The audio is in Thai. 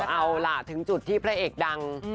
เอาล่ะถึงจุดที่พระเอกดัง